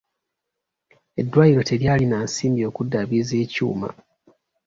Eddwaliro teryalina nsimbi okuddaabiriza ekyuma.